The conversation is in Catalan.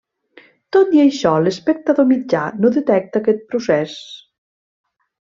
Tot i això, l'espectador mitjà no detecta aquest procés.